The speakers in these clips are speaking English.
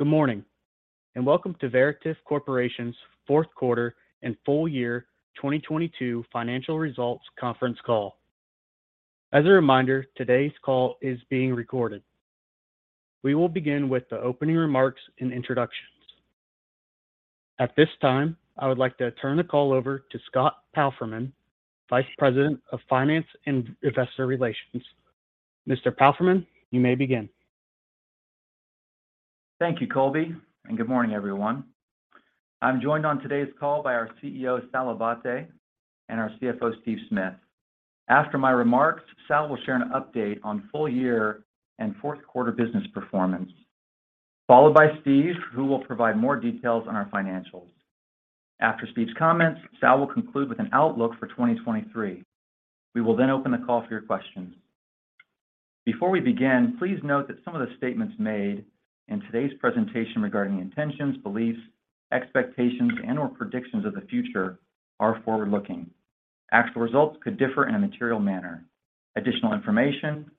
Good morning. Welcome to Veritiv Corporation's fourth quarter and full year 2022 financial results conference call. As a reminder, today's call is being recorded. We will begin with the opening remarks and introductions. At this time, I would like to turn the call over to Scott Palfreeman, Vice President of Finance and Investor Relations. Mr. Palfreeman, you may begin. Thank you, Colby. Good morning, everyone. I'm joined on today's call by our CEO, Sal Abbate, and our CFO, Steve Smith. After my remarks, Sal will share an update on full year and fourth quarter business performance, followed by Steve, who will provide more details on our financials. After Steve's comments, Sal will conclude with an outlook for 2023. We will open the call for your questions. Before we begin, please note that some of the statements made in today's presentation regarding intentions, beliefs, expectations, and/or predictions of the future are forward-looking. Actual results could differ in a material manner. Additional information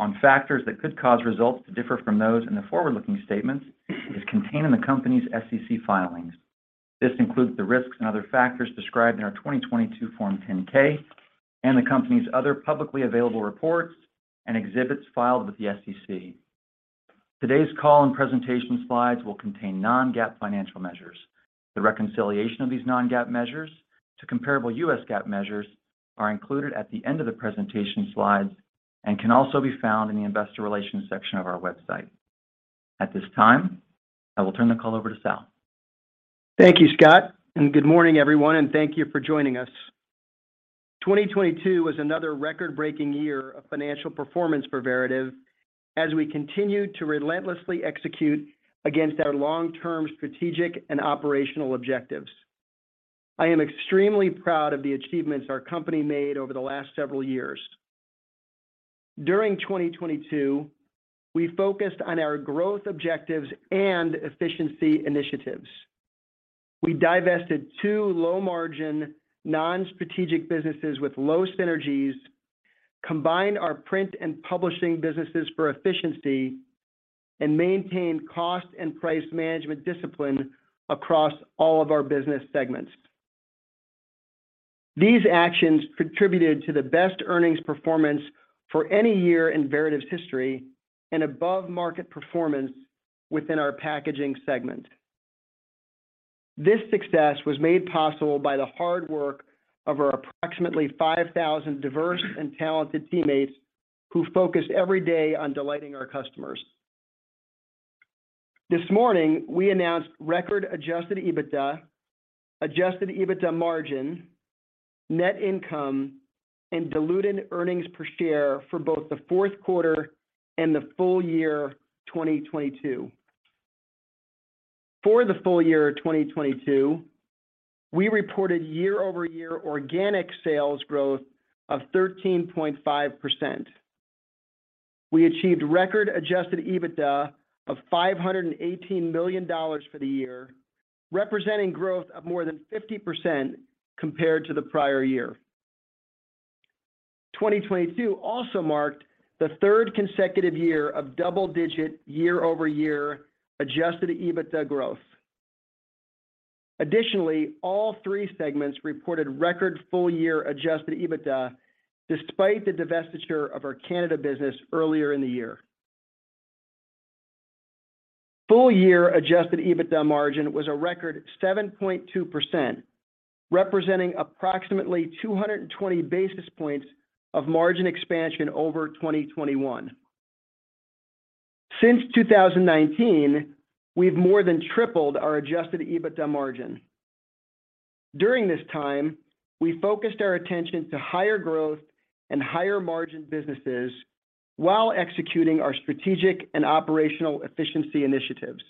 on factors that could cause results to differ from those in the forward-looking statements is contained in the company's SEC filings. This includes the risks and other factors described in our 2022 Form 10-K and the company's other publicly available reports and exhibits filed with the SEC. Today's call and presentation slides will contain non-GAAP financial measures. The reconciliation of these non-GAAP measures to comparable U.S. GAAP measures are included at the end of the presentation slides and can also be found in the investor relations section of our website. At this time, I will turn the call over to Sal. Thank you, Scott, good morning, everyone, and thank you for joining us. 2022 was another record-breaking year of financial performance for Veritiv as we continued to relentlessly execute against our long-term strategic and operational objectives. I am extremely proud of the achievements our company made over the last several years. During 2022, we focused on our growth objectives and efficiency initiatives. We divested two low-margin non-strategic businesses with low synergies, combined our print and publishing businesses for efficiency, and maintained cost and price management discipline across all of our business segments. These actions contributed to the best earnings performance for any year in Veritiv's history and above-market performance within our packaging segment. This success was made possible by the hard work of our approximately 5,000 diverse and talented teammates who focus every day on delighting our customers. This morning, we announced record Adjusted EBITDA, Adjusted EBITDA margin, net income, and diluted earnings per share for both the fourth quarter and the full year 2022. For the full year 2022, we reported YoY organic sales growth of 13.5%. We achieved record Adjusted EBITDA of $518 million for the year, representing growth of more than 50% compared to the prior year. 2022 also marked the third consecutive year of double-digit YoY Adjusted EBITDA growth. Additionally, all three segments reported record full-year Adjusted EBITDA despite the divestiture of our Canada business earlier in the year. Full-year Adjusted EBITDA margin was a record 7.2%, representing approximately 220 basis points of margin expansion over 2021. Since 2019, we've more than tripled our Adjusted EBITDA margin. During this time, we focused our attention to higher growth and higher margin businesses while executing our strategic and operational efficiency initiatives.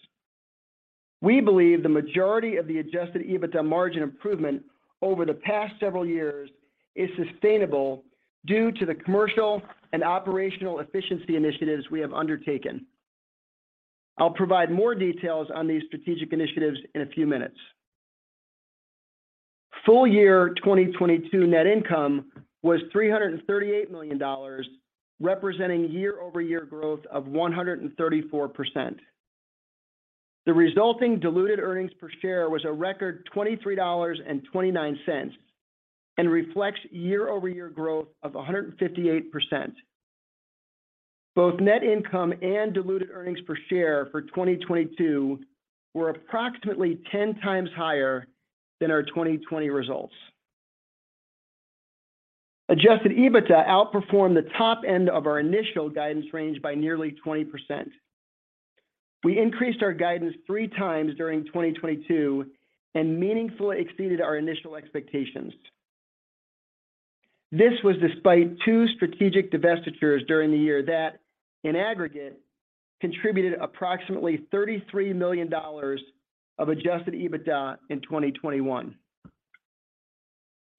We believe the majority of the Adjusted EBITDA margin improvement over the past several years is sustainable due to the commercial and operational efficiency initiatives we have undertaken. I'll provide more details on these strategic initiatives in a few minutes. Full year 2022 net income was $338 million, representing YoY growth of 134%. The resulting diluted earnings per share was a record $23.29 and reflects YoY growth of 158%. Both net income and diluted earnings per share for 2022 were approximately 10 times higher than our 2020 results. Adjusted EBITDA outperformed the top end of our initial guidance range by nearly 20%. We increased our guidance three times during 2022 and meaningfully exceeded our initial expectations. This was despite two strategic divestitures during the year that, in aggregate, contributed approximately $33 million of Adjusted EBITDA in 2021.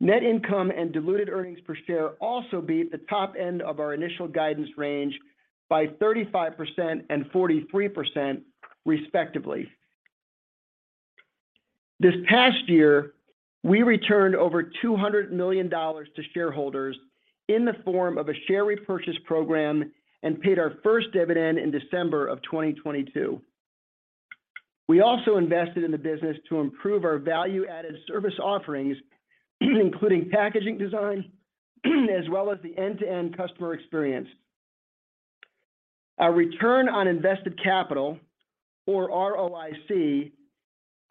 Net income and diluted earnings per share also beat the top end of our initial guidance range by 35% - 43%, respectively. This past year, we returned over $200 million to shareholders in the form of a share repurchase program and paid our first dividend in December of 2022. We also invested in the business to improve our value-added service offerings, including packaging design, as well as the end-to-end customer experience. Our return on invested capital, or ROIC,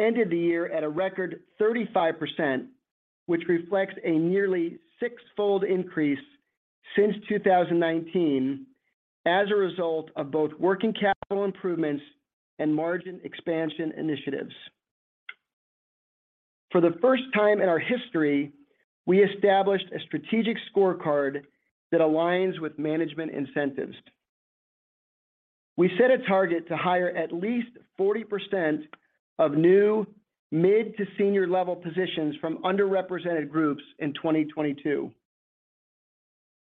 ended the year at a record 35%, which reflects a nearly six-fold increase since 2019 as a result of both working capital improvements and margin expansion initiatives. For the first time in our history, we established a strategic scorecard that aligns with management incentives. We set a target to hire at least 40% of new mid to senior level positions from underrepresented groups in 2022.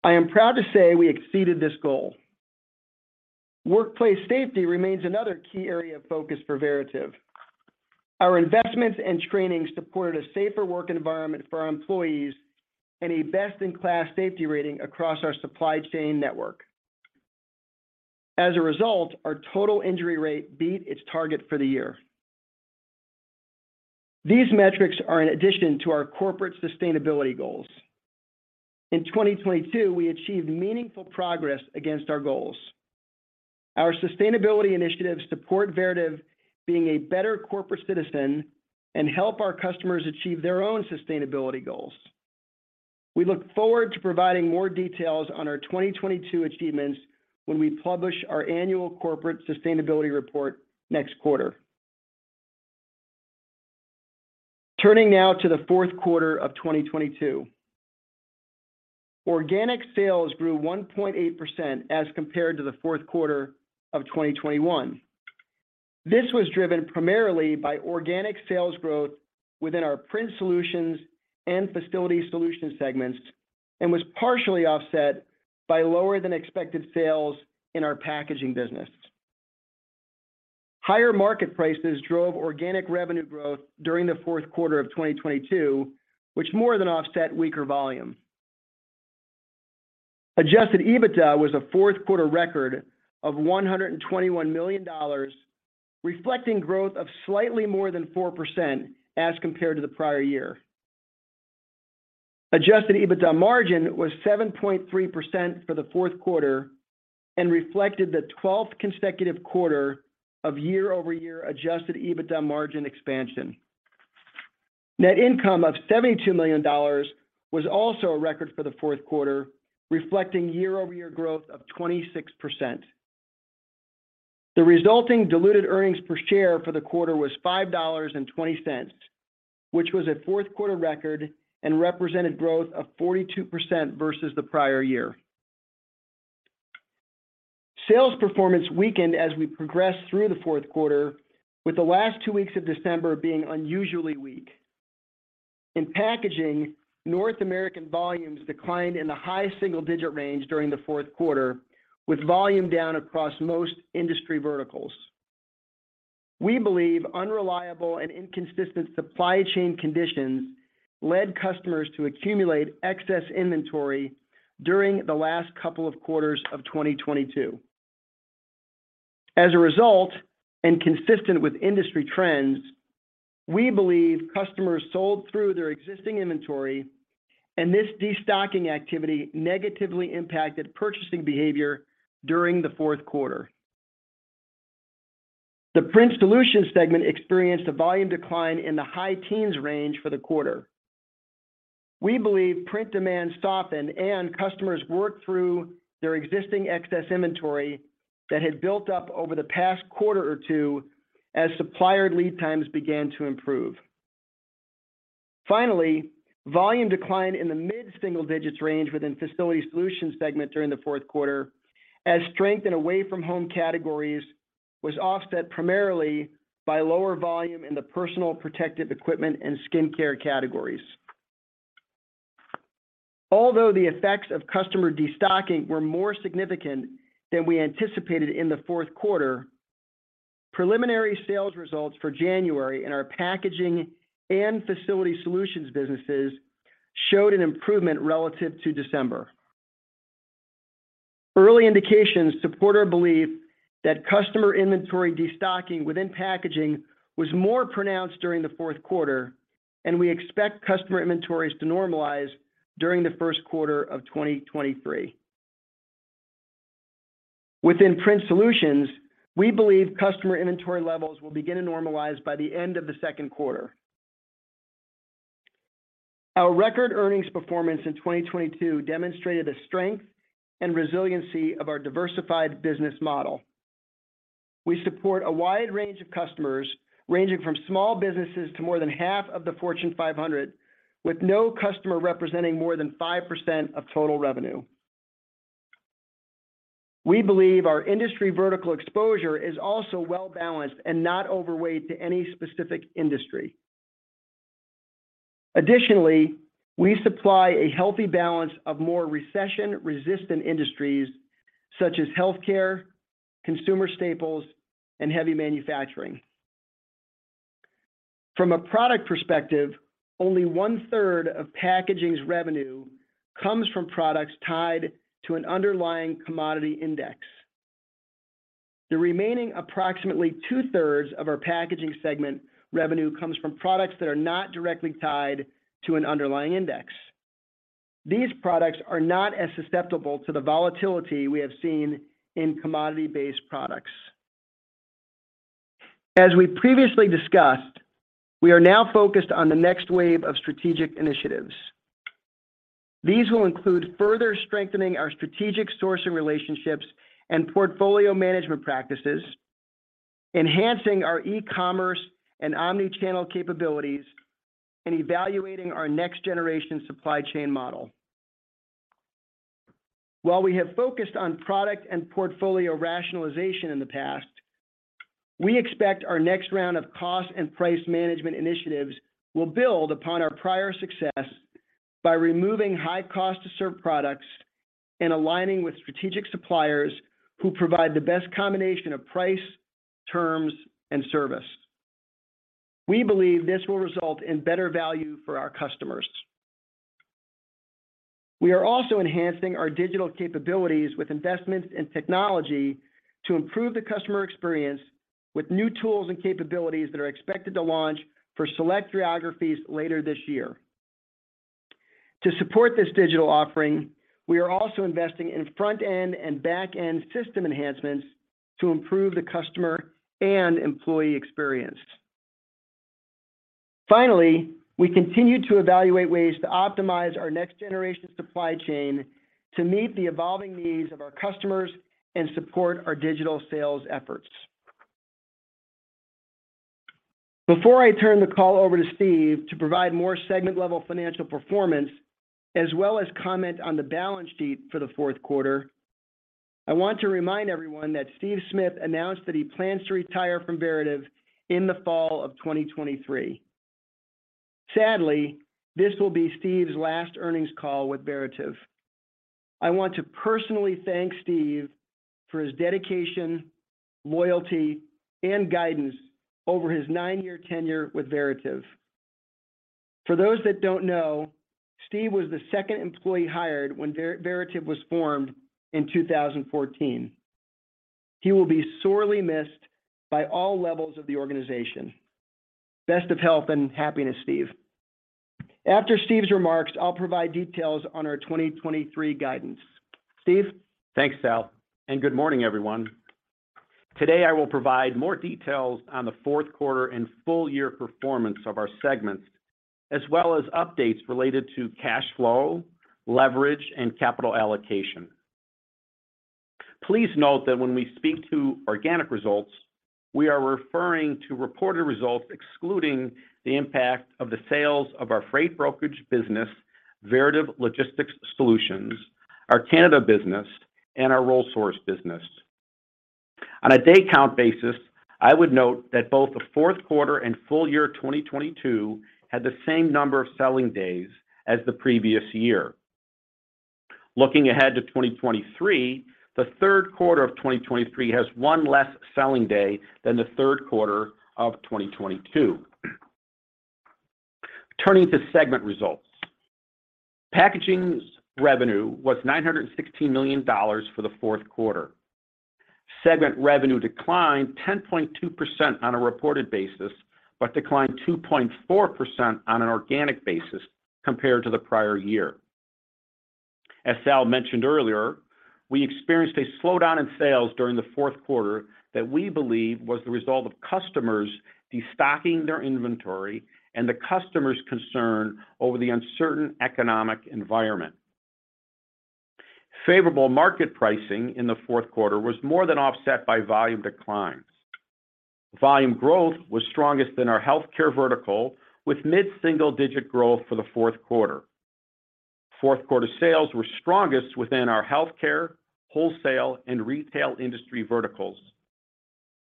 I am proud to say we exceeded this goal. Workplace safety remains another key area of focus for Veritiv. Our investments and training supported a safer work environment for our employees and a best-in-class safety rating across our supply chain network. As a result, our total injury rate beat its target for the year. These metrics are in addition to our corporate sustainability goals. In 2022, we achieved meaningful progress against our goals. Our sustainability initiatives support Veritiv being a better corporate citizen and help our customers achieve their own sustainability goals. We look forward to providing more details on our 2022 achievements when we publish our annual corporate sustainability report next quarter. Turning now to the fourth quarter of 2022. Organic sales grew 1.8% as compared to the fourth quarter of 2021. This was driven primarily by organic sales growth within our Print Solutions and Facility Solutions segments and was partially offset by lower than expected sales in our Packaging business. Higher market prices drove organic revenue growth during the fourth quarter of 2022, which more than offset weaker volume. Adjusted EBITDA was a fourth quarter record of $121 million, reflecting growth of slightly more than 4% as compared to the prior year. Adjusted EBITDA margin was 7.3% for the fourth quarter and reflected the 12th consecutive quarter of YoY Adjusted EBITDA margin expansion. Net income of $72 million was also a record for the fourth quarter, reflecting YoY growth of 26%. The resulting diluted earnings per share for the quarter was $5.20, which was a fourth quarter record and represented growth of 42% versus the prior year. Sales performance weakened as we progressed through the fourth quarter, with the last two weeks of December being unusually weak. In Packaging, North American volumes declined in the high single-digit range during the fourth quarter, with volume down across most industry verticals. We believe unreliable and inconsistent supply chain conditions led customers to accumulate excess inventory during the last couple of quarters of 2022. As a result, and consistent with industry trends, we believe customers sold through their existing inventory, and this destocking activity negatively impacted purchasing behavior during the fourth quarter. The Print Solutions segment experienced a volume decline in the high teens range for the quarter. We believe print demand softened and customers worked through their existing excess inventory that had built up over the past quarter or two as supplier lead times began to improve. Volume declined in the mid-single digits range within Facility Solutions segment during the fourth quarter as strength in away from home categories was offset primarily by lower volume in the personal protective equipment and skin care categories. The effects of customer destocking were more significant than we anticipated in the fourth quarter, preliminary sales results for January in our Packaging and Facility Solutions businesses showed an improvement relative to December. Early indications support our belief that customer inventory destocking within packaging was more pronounced during the fourth quarter, and we expect customer inventories to normalize during the first quarter of 2023. Within Print Solutions, we believe customer inventory levels will begin to normalize by the end of the second quarter. Our record earnings performance in 2022 demonstrated the strength and resiliency of our diversified business model. We support a wide range of customers, ranging from small businesses to more than half of the Fortune 500, with no customer representing more than 5% of total revenue. We believe our industry vertical exposure is also well-balanced and not overweight to any specific industry. We supply a healthy balance of more recession-resistant industries such as healthcare, consumer staples, and heavy manufacturing. From a product perspective, only 1/3 of Packaging's revenue comes from products tied to an underlying commodity index. The remaining approximately 2/3 of our Packaging segment revenue comes from products that are not directly tied to an underlying index. These products are not as susceptible to the volatility we have seen in commodity-based products. As we previously discussed, we are now focused on the next wave of strategic initiatives. These will include further strengthening our strategic sourcing relationships and portfolio management practices, enhancing our e-commerce and omnichannel capabilities, and evaluating our next-generation supply chain model. While we have focused on product and portfolio rationalization in the past, we expect our next round of cost and price management initiatives will build upon our prior success by removing high cost to serve products and aligning with strategic suppliers who provide the best combination of price, terms, and service. We believe this will result in better value for our customers. We are also enhancing our digital capabilities with investments in technology to improve the customer experience with new tools and capabilities that are expected to launch for select geographies later this year. To support this digital offering, we are also investing in front-end and back-end system enhancements to improve the customer and employee experience. We continue to evaluate ways to optimize our next-generation supply chain to meet the evolving needs of our customers and support our digital sales efforts. Before I turn the call over to Steve to provide more segment-level financial performance, as well as comment on the balance sheet for the fourth quarter, I want to remind everyone that Steve Smith announced that he plans to retire from Veritiv in the fall of 2023. Sadly, this will be Steve's last earnings call with Veritiv. I want to personally thank Steve for his dedication, loyalty, and guidance over his nine-year tenure with Veritiv. For those that don't know, Steve was the second employee hired when Veritiv was formed in 2014. He will be sorely missed by all levels of the organization. Best of health and happiness, Steve. After Steve's remarks, I'll provide details on our 2023 guidance. Steve? Thanks, Sal. Good morning, everyone. Today, I will provide more details on the fourth quarter and full year performance of our segments, as well as updates related to cash flow, leverage, and capital allocation. Please note that when we speak to organic results, we are referring to reported results excluding the impact of the sales of our freight brokerage business, Veritiv Logistics Solutions, our Canada business, and our Rollsource business. On a day count basis, I would note that both the fourth quarter and full year 2022 had the same number of selling days as the previous year. Looking ahead to 2023, the third quarter of 2023 has one less selling day than the third quarter of 2022. Turning to segment results. Packaging's revenue was $916 million for the fourth quarter. Segment revenue declined 10.2% on a reported basis, but declined 2.4% on an organic basis compared to the prior year. As Sal mentioned earlier, we experienced a slowdown in sales during the fourth quarter that we believe was the result of customers destocking their inventory and the customer's concern over the uncertain economic environment. Favorable market pricing in the fourth quarter was more than offset by volume declines. Volume growth was strongest in our healthcare vertical, with mid-single-digit growth for the fourth quarter. Fourth quarter sales were strongest within our healthcare, wholesale, and retail industry verticals.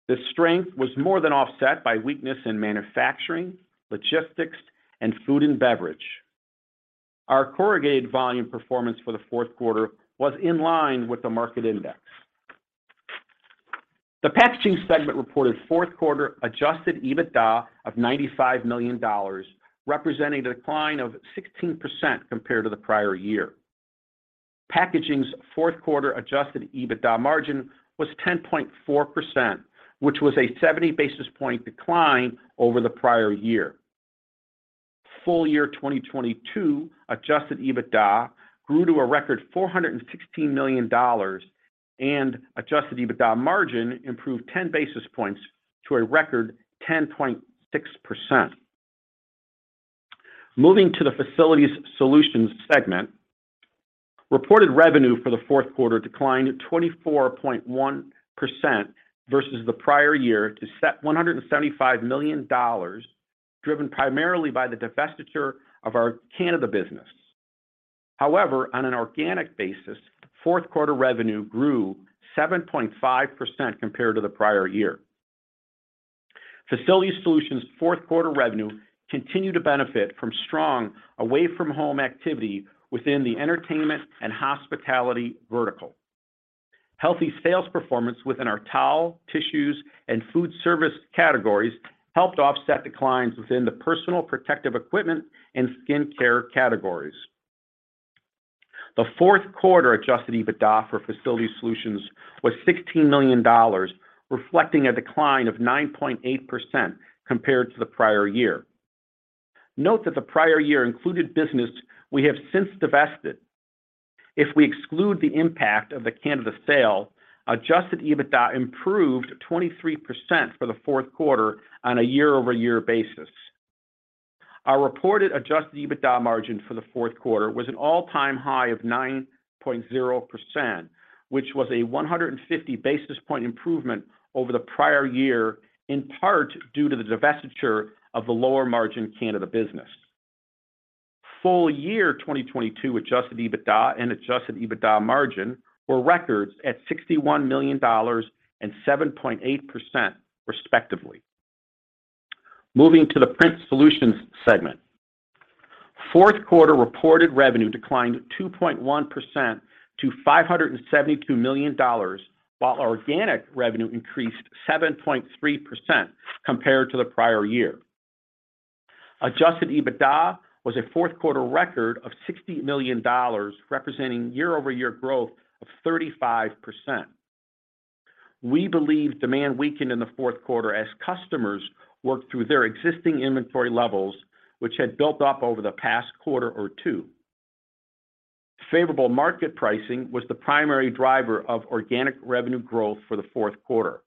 The strength was more than offset by weakness in manufacturing, logistics, and food and beverage. Our corrugated volume performance for the fourth quarter was in line with the market index. The Packaging segment reported fourth quarter Adjusted EBITDA of $95 million, representing a decline of 16% compared to the prior year. Packaging's fourth quarter Adjusted EBITDA margin was 10.4%, which was a 70 basis point decline over the prior year. Full year 2022 Adjusted EBITDA grew to a record $416 million, and Adjusted EBITDA margin improved 10 basis points to a record 10.6%. Moving to the Facility Solutions segment. Reported revenue for the fourth quarter declined 24.1% versus the prior year to $175 million, driven primarily by the divestiture of our Canada business. However, on an organic basis, fourth quarter revenue grew 7.5% compared to the prior year. Facility Solutions' fourth quarter revenue continued to benefit from strong away-from-home activity within the entertainment and hospitality vertical. Healthy sales performance within our towel, tissues, and food service categories helped offset declines within the personal protective equipment and skincare categories. The fourth quarter Adjusted EBITDA for Facility Solutions was $16 million, reflecting a decline of 9.8% compared to the prior year. Note that the prior year included business we have since divested. If we exclude the impact of the Canada sale, Adjusted EBITDA improved 23% for the fourth quarter on a YoY basis. Our reported Adjusted EBITDA margin for the fourth quarter was an all-time high of 9.0%, which was a 150 basis point improvement over the prior year, in part due to the divestiture of the lower margin Canada business. Full year 2022 Adjusted EBITDA and Adjusted EBITDA margin were records at $61 million and 7.8% respectively. Moving to the Print Solutions segment. Fourth quarter reported revenue declined 2.1% to $572 million, while organic revenue increased 7.3% compared to the prior year. Adjusted EBITDA was a fourth quarter record of $60 million, representing YoY growth of 35%. We believe demand weakened in the fourth quarter as customers worked through their existing inventory levels, which had built up over the past quarter or two. Favorable market pricing was the primary driver of organic revenue growth for the fourth quarter.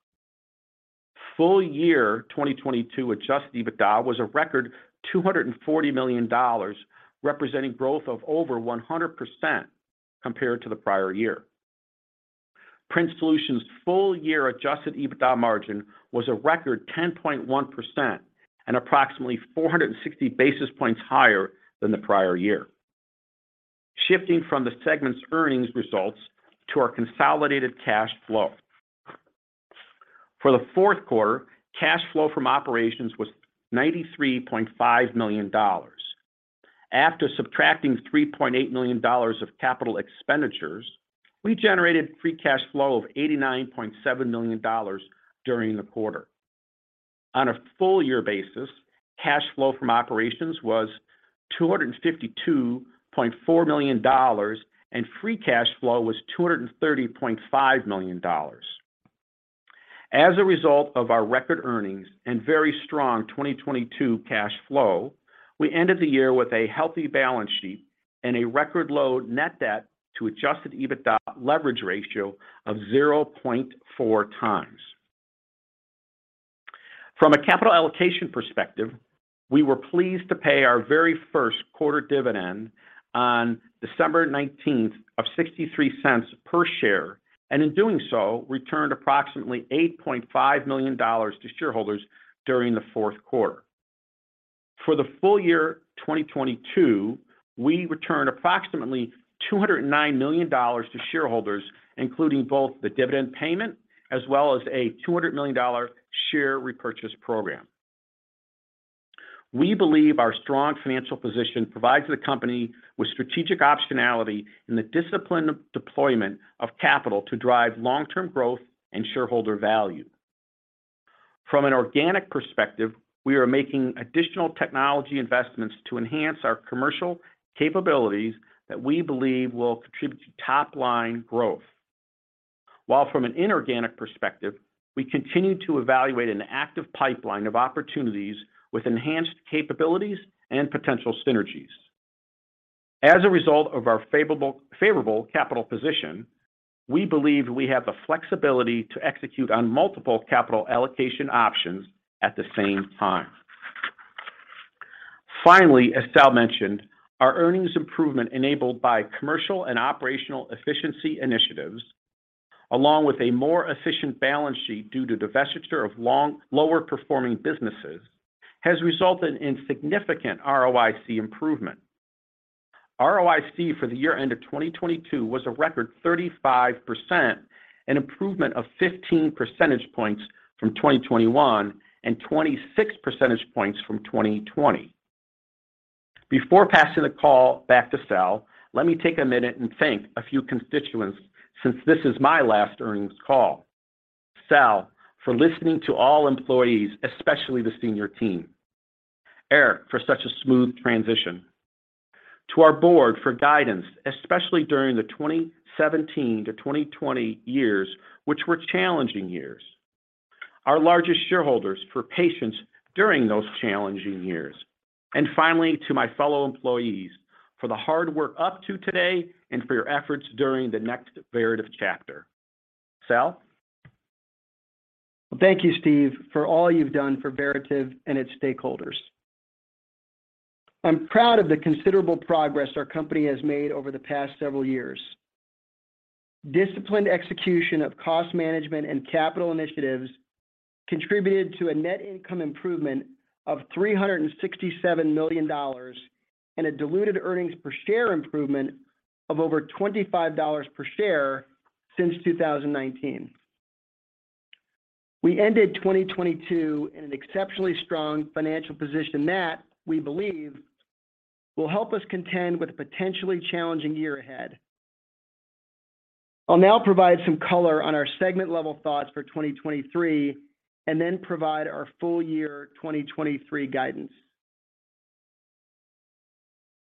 Full year 2022 Adjusted EBITDA was a record $240 million, representing growth of over 100% compared to the prior year. Print Solutions' full-year Adjusted EBITDA margin was a record 10.1% and approximately 460 basis points higher than the prior year. Shifting from the segment's earnings results to our consolidated cash flow. For the fourth quarter, cash flow from operations was $93.5 million. After subtracting $3.8 million of capital expenditures, we generated free cash flow of $89.7 million during the quarter. On a full year basis, cash flow from operations was $252.4 million, and free cash flow was $230.5 million. As a result of our record earnings and very strong 2022 cash flow, we ended the year with a healthy balance sheet and a record low net debt to Adjusted EBITDA leverage ratio of 0.4 times. From a capital allocation perspective, we were pleased to pay our very first quarter dividend on December 19th of $0.63 per share, and in doing so, returned approximately $8.5 million to shareholders during the fourth quarter. For the full year 2022, we returned approximately $209 million to shareholders, including both the dividend payment as well as a $200 million share repurchase program. We believe our strong financial position provides the company with strategic optionality in the disciplined deployment of capital to drive long-term growth and shareholder value. From an organic perspective, we are making additional technology investments to enhance our commercial capabilities that we believe will contribute to top-line growth. From an inorganic perspective, we continue to evaluate an active pipeline of opportunities with enhanced capabilities and potential synergies. As a result of our favorable capital position, we believe we have the flexibility to execute on multiple capital allocation options at the same time. Finally, as Sal mentioned, our earnings improvement enabled by commercial and operational efficiency initiatives, along with a more efficient balance sheet due to divestiture of lower performing businesses, has resulted in significant ROIC improvement. ROIC for the year end of 2022 was a record 35%, an improvement of 15 percentage points from 2021 - 2026 percentage points from 2020. Before passing the call back to Sal, let me take a minute and thank a few constituents since this is my last earnings call. Sal, for listening to all employees, especially the senior team. Eric, for such a smooth transition. To our board for guidance, especially during the 2017 - 2020 years, which were challenging years. Our largest shareholders for patience during those challenging years. Finally, to my fellow employees for the hard work up to today and for your efforts during the next Veritiv chapter. Sal? Thank you, Steve, for all you've done for Veritiv and its stakeholders. I'm proud of the considerable progress our company has made over the past several years. Disciplined execution of cost management and capital initiatives contributed to a net income improvement of $367 million and a diluted earnings per share improvement of over $25 per share since 2019. We ended 2022 in an exceptionally strong financial position that we believe will help us contend with a potentially challenging year ahead. I'll now provide some color on our segment level thoughts for 2023, and then provide our full year 2023 guidance.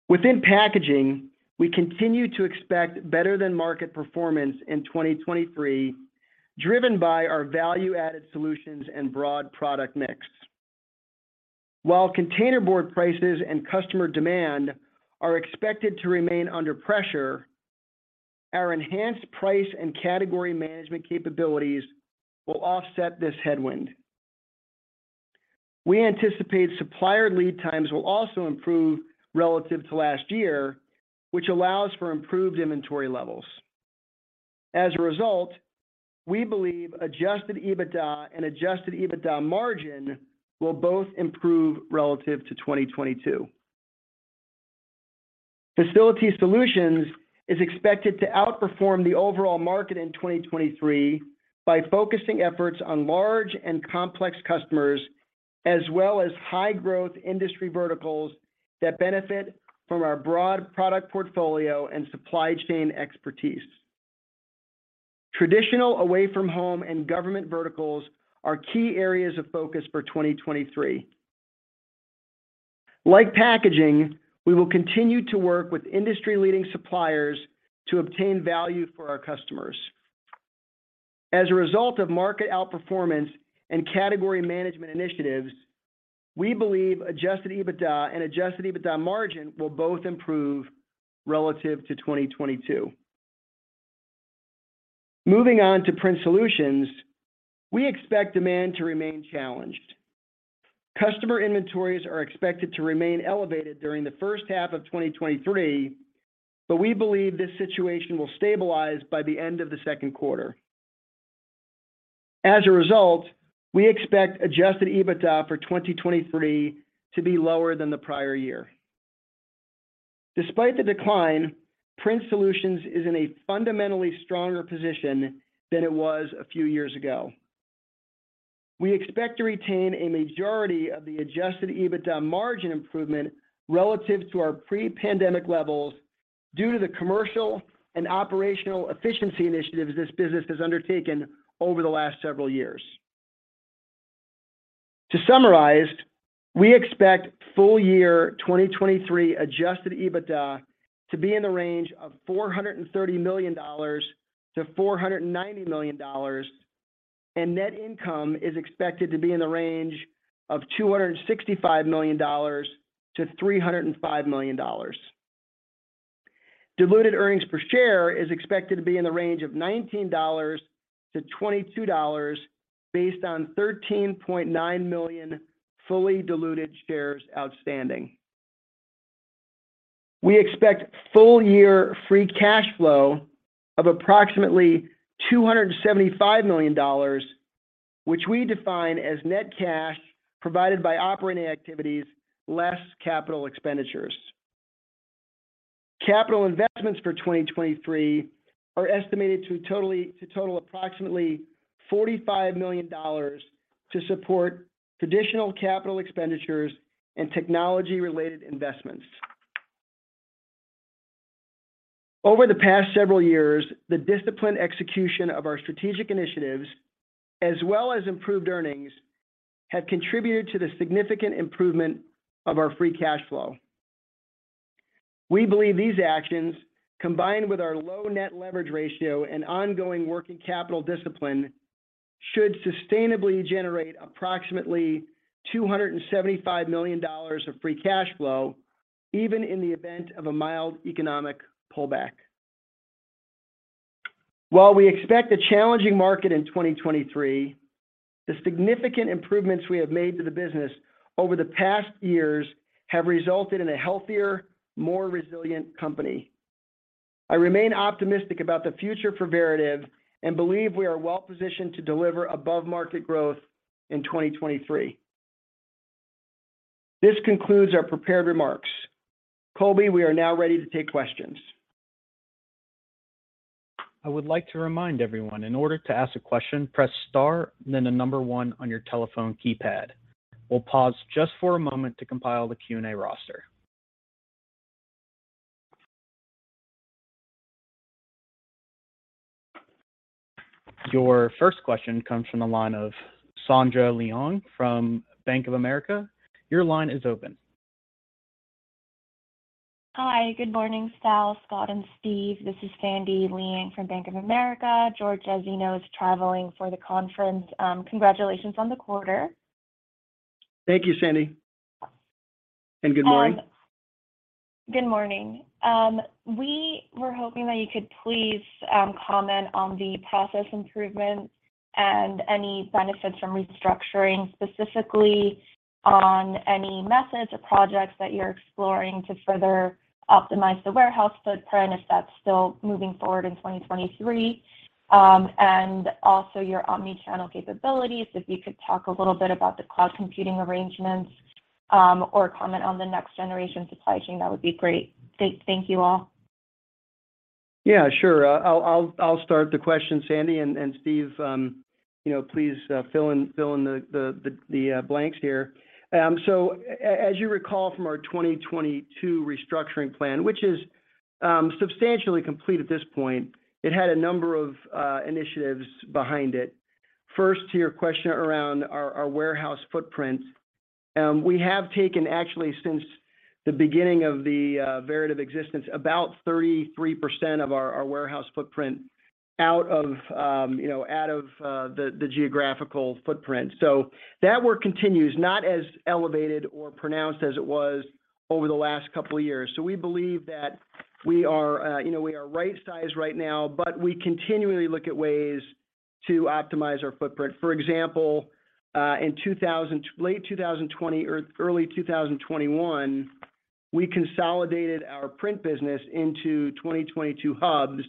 Within Packaging, we continue to expect better than market performance in 2023, driven by our value-added solutions and broad product mix. While containerboard prices and customer demand are expected to remain under pressure, our enhanced price and category management capabilities will offset this headwind. We anticipate supplier lead times will also improve relative to last year, which allows for improved inventory levels. As a result, we believe Adjusted EBITDA and Adjusted EBITDA margin will both improve relative to 2022. Facility Solutions is expected to outperform the overall market in 2023 by focusing efforts on large and complex customers, as well as high growth industry verticals that benefit from our broad product portfolio and supply chain expertise. Traditional away from home and government verticals are key areas of focus for 2023. Like Packaging, we will continue to work with industry leading suppliers to obtain value for our customers. As a result of market outperformance and category management initiatives, we believe Adjusted EBITDA and Adjusted EBITDA margin will both improve relative to 2022. Moving on to Print Solutions, we expect demand to remain challenged. Customer inventories are expected to remain elevated during the first half of 2023. We believe this situation will stabilize by the end of the second quarter. As a result, we expect Adjusted EBITDA for 2023 to be lower than the prior year. Despite the decline, Print Solutions is in a fundamentally stronger position than it was a few years ago. We expect to retain a majority of the Adjusted EBITDA margin improvement relative to our pre-pandemic levels due to the commercial and operational efficiency initiatives this business has undertaken over the last several years. To summarize, we expect full year 2023 Adjusted EBITDA to be in the range of $430 million-$490 million. Net income is expected to be in the range of $265 million-$305 million. Diluted earnings per share is expected to be in the range of $19 million-$22 million based on $13.9 million fully diluted shares outstanding. We expect full year free cash flow of approximately $275 million, which we define as net cash provided by operating activities less capital expenditures. Capital investments for 2023 are estimated to total approximately $45 million to support traditional capital expenditures and technology related investments. Over the past several years, the disciplined execution of our strategic initiatives, as well as improved earnings, have contributed to the significant improvement of our free cash flow. We believe these actions, combined with our low net leverage ratio and ongoing working capital discipline, should sustainably generate approximately $275 million of free cash flow even in the event of a mild economic pullback. While we expect a challenging market in 2023, the significant improvements we have made to the business over the past years have resulted in a healthier, more resilient company. I remain optimistic about the future for Veritiv and believe we are well positioned to deliver above market growth in 2023. This concludes our prepared remarks. Colby, we are now ready to take questions. I would like to remind everyone, in order to ask a question, press star then the number one on your telephone keypad. We'll pause just for a moment to compile the Q&A roster. Your first question comes from the line of Sandra Liang from Bank of America. Your line is open. Hi, good morning Sal, Scott, and Steve. This is Sandy Liang from Bank of America. George Staphos is travelling for the conference. Congratulations on the quarter. Thank you, Sandy, and good morning. Good morning. We were hoping that you could please comment on the process improvements and any benefits from restructuring, specifically on any methods or projects that you're exploring to further optimize the warehouse footprint, if that's still moving forward in 2023. Your Omnichannel capabilities. If you could talk a little bit about the cloud computing arrangements, or comment on the next generation supply chain, that would be great. Thank you all. Yeah, sure. I'll start the question, Sandy, and Steve, you know, please fill in the blanks here. As you recall from our 2022 restructuring plan, which is substantially complete at this point, it had a number of initiatives behind it. First, to your question around our warehouse footprint. We have taken actually since the beginning of the Veritiv existence, about 33% of our warehouse footprint out of, you know, out of the geographical footprint. That work continues, not as elevated or pronounced as it was over the last couple of years. We believe that we are, you know, we are right size right now, but we continually look at ways to optimize our footprint. For example, in late 2020 or early 2021, we consolidated our Print business into 22 hubs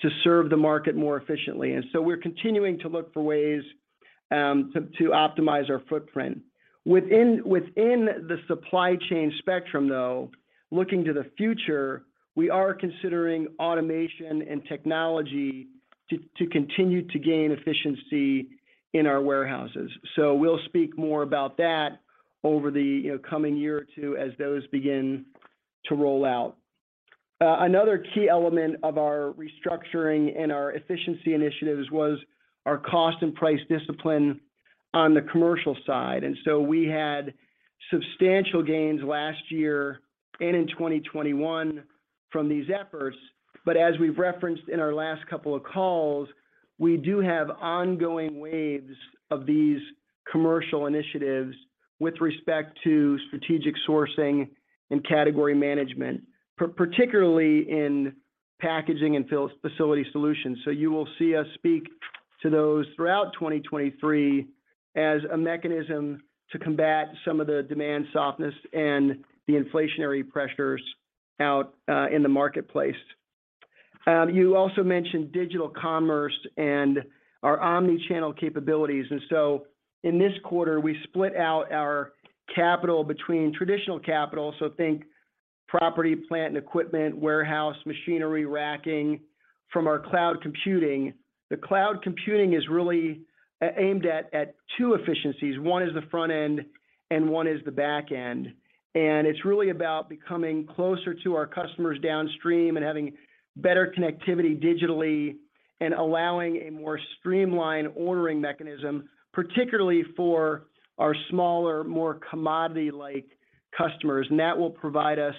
to serve the market more efficiently. We're continuing to look for ways to optimize our footprint. Within the supply chain spectrum, though, looking to the future, we are considering automation and technology to continue to gain efficiency in our warehouses. We'll speak more about that over the, you know, coming year or two as those begin to roll out. Another key element of our restructuring and our efficiency initiatives was our cost and price discipline on the commercial side. We had substantial gains last year and in 2021 from these efforts. As we've referenced in our last couple of calls, we do have ongoing waves of these commercial initiatives with respect to strategic sourcing and category management, particularly in Packaging and Facility Solutions. You will see us speak to those throughout 2023 as a mechanism to combat some of the demand softness and the inflationary pressures out in the marketplace. You also mentioned digital commerce and our Omnichannel capabilities. In this quarter, we split out our capital between traditional capital, so think property, plant and equipment, warehouse, machinery, racking from our cloud computing. The cloud computing is really aimed at two efficiencies. One is the front end, and one is the back end. It's really about becoming closer to our customers downstream and having better connectivity digitally and allowing a more streamlined ordering mechanism, particularly for our smaller, more commodity-like customers. That will provide us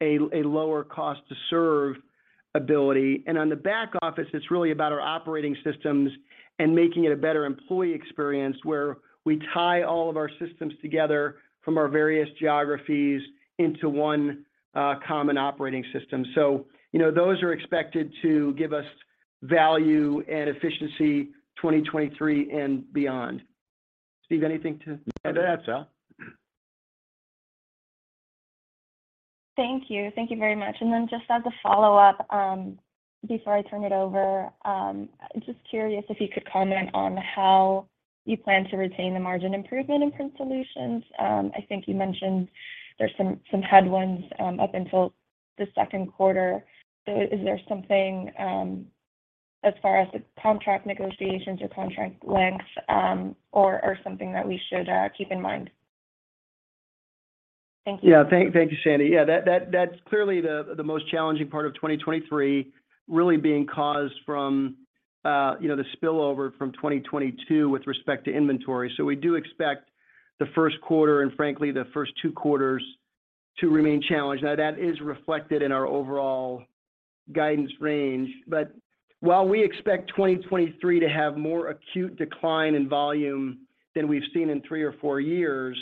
a lower cost to serve ability. On the back office, it's really about our operating systems and making it a better employee experience where we tie all of our systems together from our various geographies into one common operating system. You know, those are expected to give us value and efficiency 2023 and beyond. Steve, anything to add to that? Thank you. Thank you very much. Just as a follow-up, before I turn it over, just curious if you could comment on how you plan to retain the margin improvement in Print Solutions? I think you mentioned there's some headwinds up until the second quarter. Is there something as far as the contract negotiations or contract length or something that we should keep in mind? Thank you. Thank you, Sandy. That's clearly the most challenging part of 2023 really being caused from, you know, the spillover from 2022 with respect to inventory. We do expect the 1st quarter and frankly, the 1st two quarters to remain challenged. Now, that is reflected in our overall guidance range. While we expect 2023 to have more acute decline in volume than we've seen in three or four years,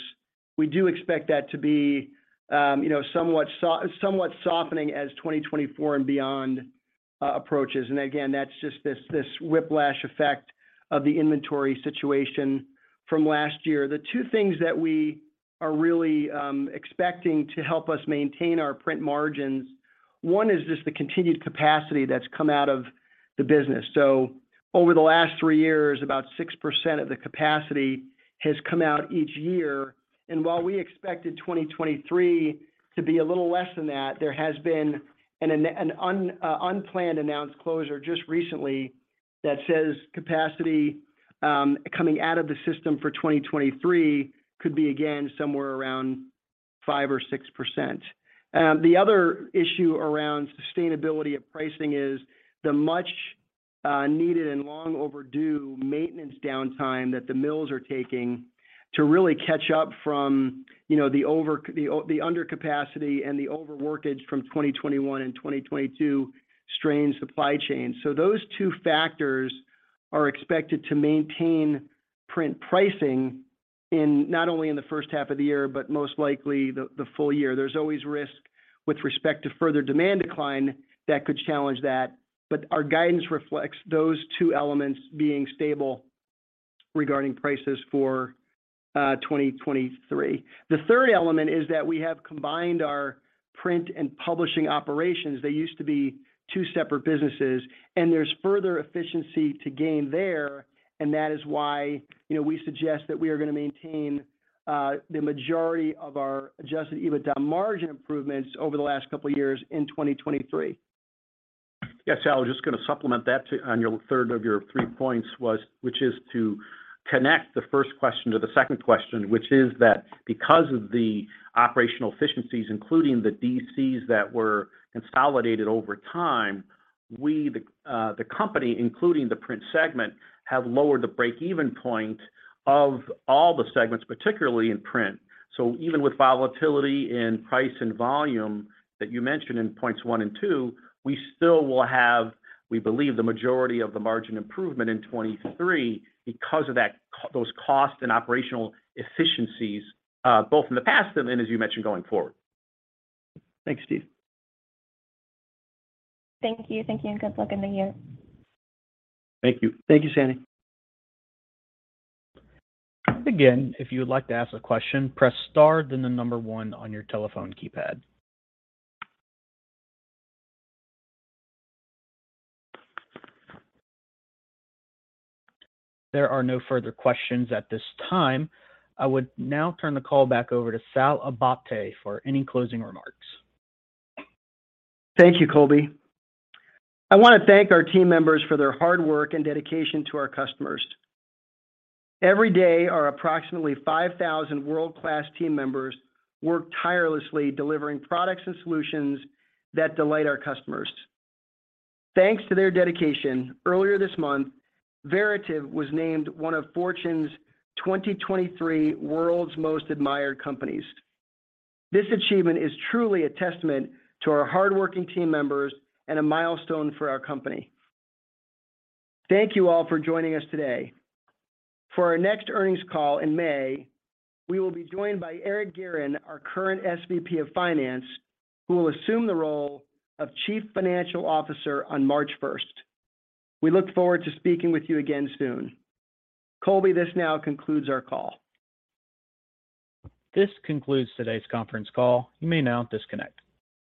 we do expect that to be, you know, somewhat softening as 2024 and beyond approaches. Again, that's just this whiplash effect of the inventory situation from last year. The two things that we are really expecting to help us maintain our print margins, one is just the continued capacity that's come out of the business. Over the last three years, about 6% of the capacity has come out each year. While we expected 2023 to be a little less than that, there has been an unplanned announced closure just recently that says capacity, coming out of the system for 2023 could be again, somewhere around 5% or 6%. The other issue around sustainability of pricing is the much needed and long overdue maintenance downtime that the mills are taking to really catch up from, you know, the under capacity and the overworkage from 2021 and 2022 strained supply chain. Those two factors are expected to maintain print pricing not only in the first half of the year, but most likely the full year. There's always risk with respect to further demand decline that could challenge that. Our guidance reflects those two elements being stable regarding prices for 2023. The third element is that we have combined our print and publishing operations. They used to be two separate businesses, there's further efficiency to gain there, that is why, you know, we suggest that we are gonna maintain the majority of our Adjusted EBITDA margin improvements over the last couple of years in 2023. Yes, Sal, I was just gonna supplement that on your third of your three points which is to connect the first question to the second question, which is that because of the operational efficiencies, including the DCs that were consolidated over time, we the company, including the print segment, have lowered the break-even point of all the segments, particularly in print. Even with volatility in price and volume that you mentioned in points one and two, we still will have, we believe, the majority of the margin improvement in 2023 because of those costs and operational efficiencies, both in the past and, as you mentioned, going forward. Thanks, Steve. Thank you. Thank you, and good luck in the new year. Thank you. Thank you, Sandy. Again, if you would like to ask a question, press star, then the number one on your telephone keypad. There are no further questions at this time. I would now turn the call back over to Sal Abbate for any closing remarks. Thank you, Colby. I wanna thank our team members for their hard work and dedication to our customers. Every day, our approximately 5,000 world-class team members work tirelessly delivering products and solutions that delight our customers. Thanks to their dedication, earlier this month, Veritiv was named one of Fortune's 2023 World's Most Admired Companies. This achievement is truly a testament to our hardworking team members and a milestone for our company. Thank you all for joining us today. For our next earnings call in May, we will be joined by Eric Guerin, our current SVP of Finance, who will assume the role of Chief Financial Officer on March 1st. We look forward to speaking with you again soon. Colby, this now concludes our call. This concludes today's conference call. You may now disconnect.